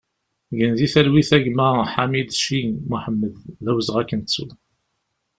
Gen di talwit a gma Ḥamideci Moḥemmed, d awezɣi ad k-nettu!